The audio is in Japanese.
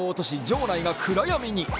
場内が暗闇に。